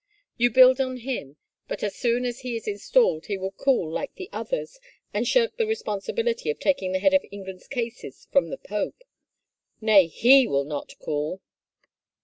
" You build on him, but as soon as he is installed he will cool like the others and shirk the responsibility of taking the head of England's cases from the pope." " Nay, he will not cool."